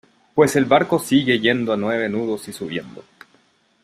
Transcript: pues el barco sigue yendo a nueve nudos y subiendo.